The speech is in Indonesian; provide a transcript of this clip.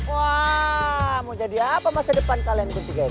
wah mau jadi apa masa depan kalian bertiga ini